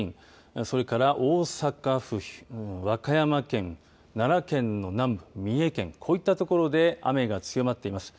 それから大阪府和歌山県、奈良県の南部三重県、こういった所で雨が強まっています。